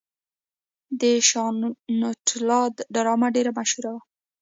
د شاکونتالا ډرامه ډیره مشهوره ده.